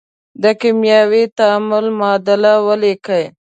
د کیمیاوي تعامل معادله ولیکئ.